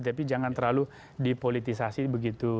tapi jangan terlalu dipolitisasi begitu